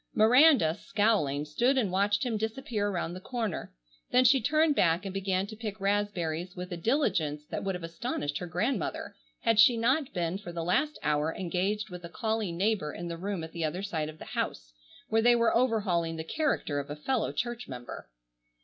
Miranda, scowling, stood and watched him disappear around the corner, then she turned back and began to pick raspberries with a diligence that would have astonished her grandmother had she not been for the last hour engaged with a calling neighbor in the room at the other side of the house, where they were overhauling the character of a fellow church member.